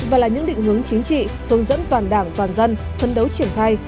và là những định hướng chính trị hướng dẫn toàn đảng toàn dân phân đấu triển khai